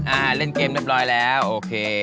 อ่าเล่นเกมเรียบร้อยแล้วโอเค